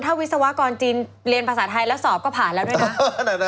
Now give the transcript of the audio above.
ถ้าวิศวกรจีนเรียนภาษาไทยแล้วสอบก็ผ่านแล้วด้วยนะ